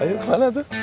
ya ayo kemana tuh